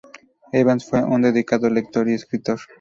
Evans fue un dedicado lector y escritor.